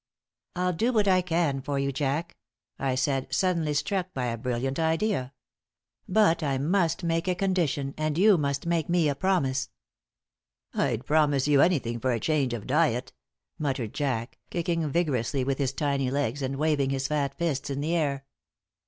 "I'll do what I can for you, Jack." I said, suddenly struck by a brilliant idea. "But I must make a condition, and you must make me a promise." "I'd promise you anything for a change of diet," muttered Jack, kicking vigorously with his tiny legs and waving his fat fists in the air.